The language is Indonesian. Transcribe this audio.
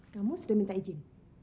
kamu sudah minta izin